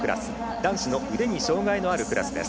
男子の腕に障がいのあるクラスです。